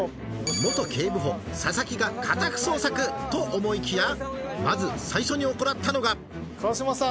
元警部補・佐々木が家宅捜索！と思いきやまず最初に行ったのが川島さん